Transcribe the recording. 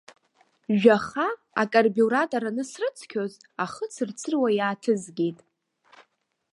Жәаха акарбиуратор анысрыцқьоз, ахы цырцыруа иааҭызгеит.